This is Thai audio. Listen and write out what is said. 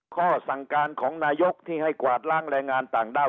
ข้อสั่งการของนายกที่ให้กวาดล้างแรงงานต่างด้าว